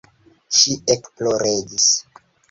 Ŝi ekploregis.